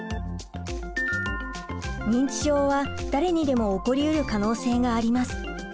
認知症は誰にでも起こりうる可能性があります。